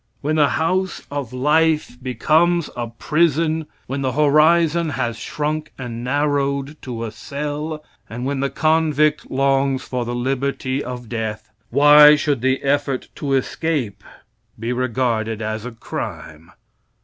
When the house of life becomes a prison, when the horizon has shrunk and narrowed to a cell, and when the convict longs for the liberty of death, why should the effort to escape be regarded as a crime?